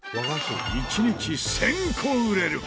１日１０００個売れる！